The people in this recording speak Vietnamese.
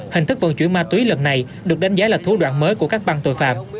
hình thức vận chuyển ma túy lần này được đánh giá là thủ đoạn mới của các băng tội phạm